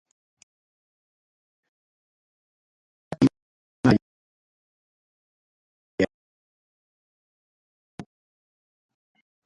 Pisi rimayllapi química, imakuna qallariykunaman tinkisqakunaqa tinkisqa ninchikmi.